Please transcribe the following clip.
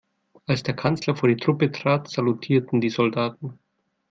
Als der Kanzler vor die Truppe trat, salutierten die Soldaten.